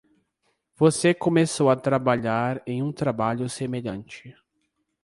Você começou a trabalhar em um trabalho semelhante.